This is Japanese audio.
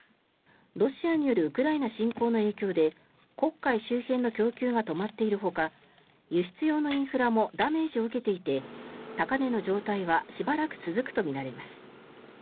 ロシアによるウクライナ侵攻の影響で黒海周辺の供給が止まっているほか輸出用のインフラもダメージを受けていて高値の状態はしばらく続くとみられます。